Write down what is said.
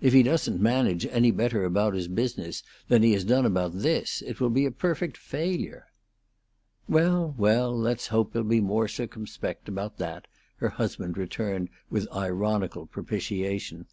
If he doesn't manage any better about his business than he has done about this, it will be a perfect failure." "Well, well, let's hope he'll be more circumspect about that," her husband returned, with ironical propitiation.